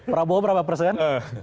prabowo berapa persen